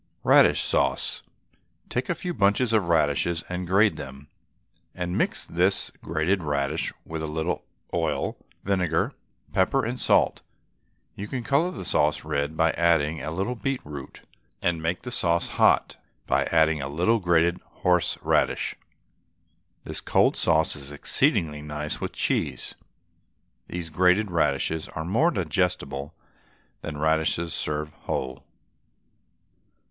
RADISH SAUCE. Take a few bunches of radishes and grate them, and mix this grated radish with a little oil, vinegar, pepper, and salt. You can colour the sauce red by adding a little beetroot, and make the sauce hot by adding a little grated horse radish. This cold sauce is exceedingly nice with cheese. These grated radishes are more digestible than radishes served whole.